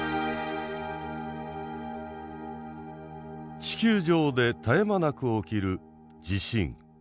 地球上で絶え間なく起きる地震。